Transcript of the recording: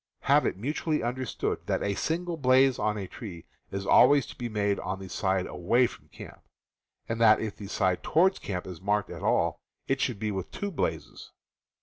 Have it mutually understood that a single blaze on a tree is always to be made on the side away from camp, and that if the side toward camp is marked at all it should be with two blazes.